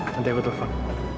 nanti aku telpon